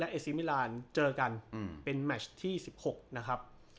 เอซีมิลานเจอกันเป็นแมชที่๑๖นะครับ